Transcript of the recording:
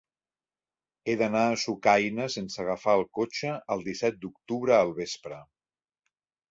He d'anar a Sucaina sense agafar el cotxe el disset d'octubre al vespre.